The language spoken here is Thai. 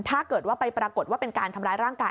ถ้าเกิดว่าไปปรากฏว่าเป็นการทำร้ายร่างกาย